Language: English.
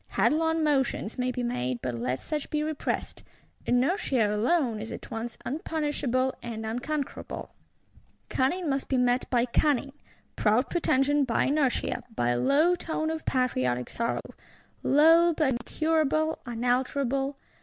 Headlong motions may be made, but let such be repressed; inertia alone is at once unpunishable and unconquerable. Cunning must be met by cunning; proud pretension by inertia, by a low tone of patriotic sorrow; low, but incurable, unalterable.